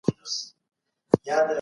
خپل لیکنې څو ځلې ولولئ، تیروتنې سم کړئ.